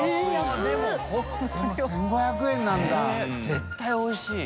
絶対おいしい。